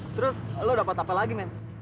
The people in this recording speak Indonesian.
terus lo dapat apa lagi main